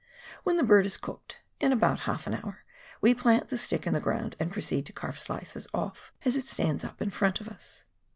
When the bird is cooked — in about half an hour — we plant the stick in the ground and proceed to carve slices off as it stands up in front of us.